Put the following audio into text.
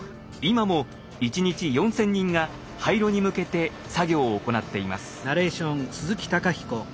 今も１日４，０００人が廃炉に向けて作業を行っています。